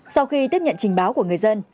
sau khi tiếp nhận trình báo của người dân